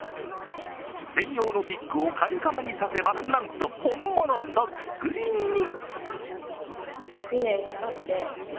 専用のピックをカニカマに刺せば、本物そっくりに。